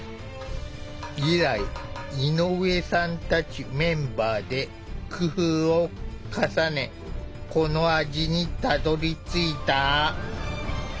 以来井上さんたちメンバーで工夫を重ねこの味にたどりついた。